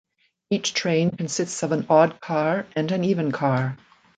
Each train consists of an odd car and an even car.